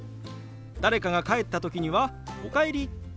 誰かが帰った時には「おかえり」。